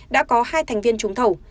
đã có hai thành viên trúng thầu